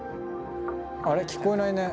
あれ聞こえないね。